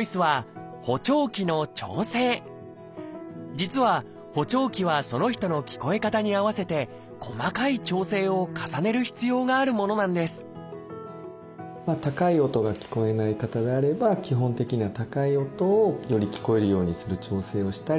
実は補聴器はその人の聞こえ方に合わせて細かい調整を重ねる必要があるものなんです高い音が聞こえない方であれば基本的には高い音をより聞こえるようにする調整をしたり